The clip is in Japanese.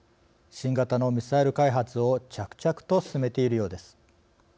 新型のミサイル開発を着々と進めているようです。